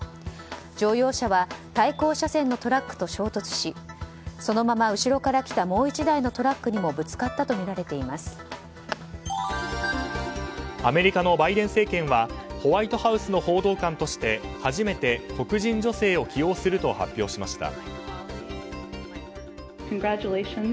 乗用車は対向車線のトラックと衝突しそのまま後ろから来たもう１台のトラックにもアメリカのバイデン政権はホワイトハウスの報道官として初めて黒人女性を起用すると発表しました。